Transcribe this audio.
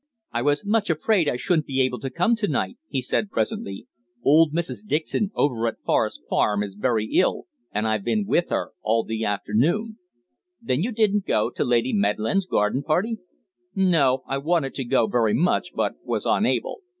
"I was much afraid I shouldn't be able to come to night," he said presently. "Old Mrs. Dixon, over at Forest Farm, is very ill, and I've been with her all the afternoon." "Then you didn't go to Lady Medland's garden party?" "No. I wanted to go very much, but was unable.